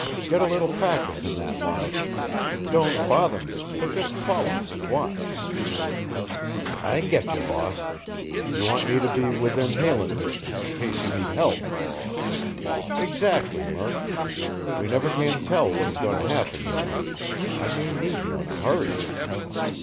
"Get a little practice in that line. Don't bother me, but just follow and watch." "I getcha, boss. You want me to be within hailin' distance in case you need help?" "Exactly, Murk. We never can tell what is going to happen, you know. I may need you in a hurry."